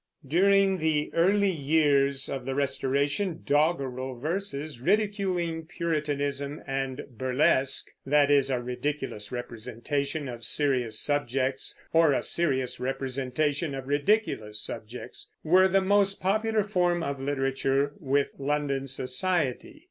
During the early years of the Restoration doggerel verses ridiculing Puritanism, and burlesque, that is, a ridiculous representation of serious subjects, or a serious representation of ridiculous subjects, were the most popular form of literature with London society.